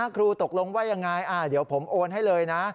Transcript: ครูตกลงว่ายังไงเดี๋ยวผมโอนให้เลยนะ